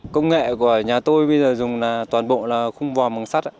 công nghệ của nhà tôi bây giờ dùng toàn bộ là khung vòm